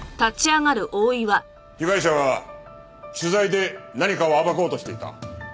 被害者は取材で何かを暴こうとしていた。